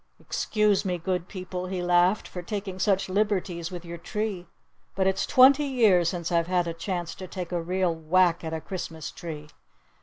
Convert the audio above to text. "Excuse me, good people," he laughed, "for taking such liberties with your tree! But it's twenty years since I've had a chance to take a real whack at a Christmas tree!